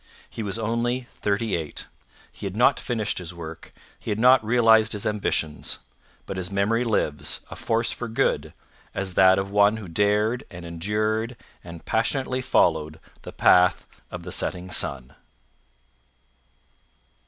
He was only thirty eight; he had not finished his work; he had not realized his ambitions; but his memory lives, a force for good, as that of one who dared and endured and passionately followed the path of the setting sun.